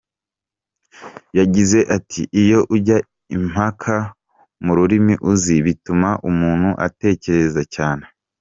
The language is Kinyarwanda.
Yagize ati “Iyo ujya impaka mu rurimi uzi bituma umuntu atekereza cyane.